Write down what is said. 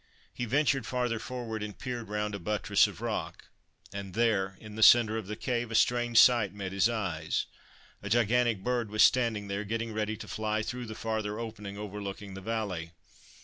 He ventured farther forward and peered round a buttress of rock ; and there, in the centre of the cave, a strange sight met his eyes. A gigantic bird was standing there, getting ready to fly through the farther opening overlooking the valley.